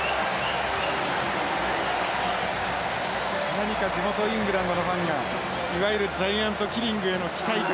何か地元イングランドのファンがいわゆるジャイアントキリングへの期待感。